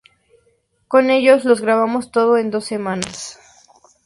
Con ellos lo grabamos todo en dos semanas.